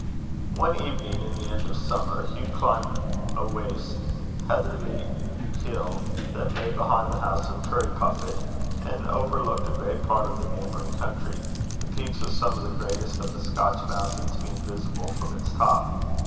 One evening in the end of summer, Hugh climbed a waste heathery hill that lay behind the house of Turriepuffit, and overlooked a great part of the neighbouring country, the peaks of some of the greatest of the Scotch mountains being visible from its top.